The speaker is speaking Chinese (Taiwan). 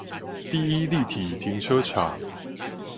第一立體停車場